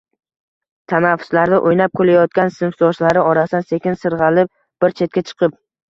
Tanaffuslarda o'ynab-kulayogan sinfdoshlari orasidan sekin sirg'alib bir chetga chiqib